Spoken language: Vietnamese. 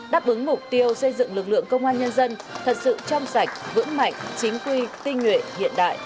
đáp ứng mục tiêu xây dựng lực lượng công an nhân dân thật sự trong sạch vững mạnh